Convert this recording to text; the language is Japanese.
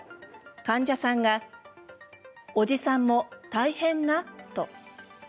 患者さんが「おじさんも大変な」と。